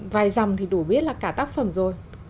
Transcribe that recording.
vài dòng thì đủ biết là cả tác phẩm rồi